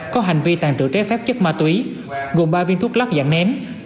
có hành vi tàn trự trái phép chất ma túy gồm ba viên thuốc lắc dạng nén